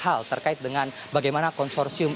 hal terkait dengan bagaimana konsorsium